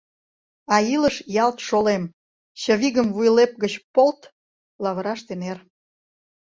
А илыш ялт шолем — чывигым вуйлеп гыч полт! — лавыраште нер.